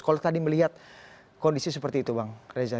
kalau tadi melihat kondisi seperti itu bang reza